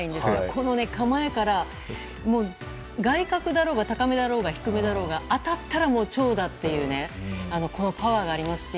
この構えから外角だろうが高めだろうが低めだろうが当たったらもう長打というパワーがありますし